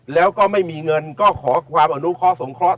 แล้วก็ไม่มีเงินก็ขอความอนุเคราะหงเคราะห